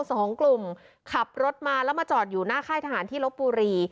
สองกลุ่มขับรถมาแล้วมาจอดอยู่หน้าค่ายทหารที่ลบบุรี